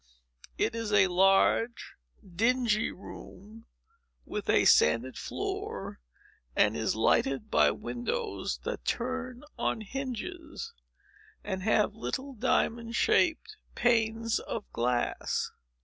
It is a large, dingy room, with a sanded floor, and is lighted by windows that turn on hinges, and have little diamond shaped panes of glass.